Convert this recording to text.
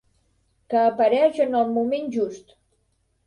Que apareix en el moment just.